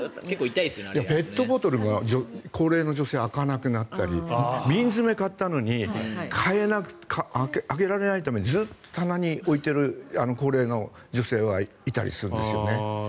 ペットボトルが高齢の女性、開かなくなったり瓶詰めを買ったのに開けられなくてずっと棚に置いてる高齢の女性はいたりするんですね。